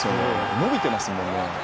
伸びてますもんね。